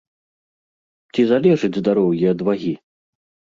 Ці залежыць здароўе ад вагі?